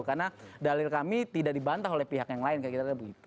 karena dalil kami tidak dibantah oleh pihak yang lain kaya kita kira begitu